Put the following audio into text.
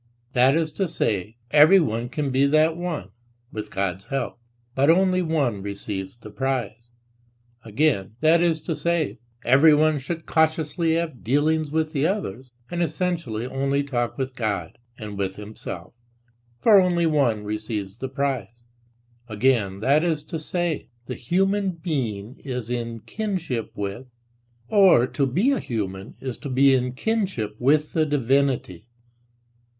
That is to say, everyone can be that one, with God's help but only one receives the prize; again, that is to say, everyone should cautiously have dealings with "the others," and essentially only talk with God and with himself for only one receives the prize; again, that is to say, the human being is in kinship with, or to be a human is to be in kinship with the divinity.